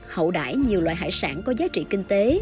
hậu đải nhiều loại hải sản có giá trị kinh tế